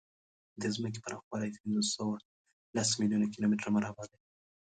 د ځمکې پراخوالی پینځهسوهلس میلیونه کیلومتره مربع دی.